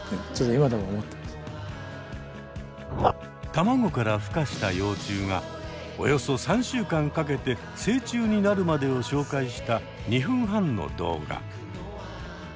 卵からふ化した幼虫がおよそ３週間かけて成虫になるまでを紹介した２分半の動画。